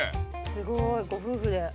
すごいご夫婦で。